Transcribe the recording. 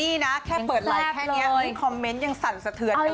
นี่นะแค่เปิดไลค์แค่นี้คอมเมนต์ยังสั่นสะเทือนเลย